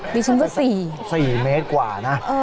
มีชุดว่า๔เมตรกว่านะ